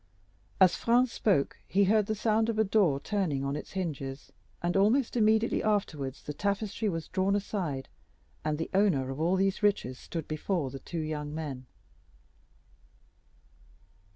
As Franz spoke, he heard the sound of a door turning on its hinges, and almost immediately afterwards the tapestry was drawn aside, and the owner of all these riches stood before the two young men.